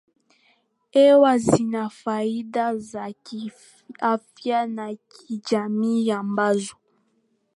hewa zina faida za kiafya na kijamii ambazo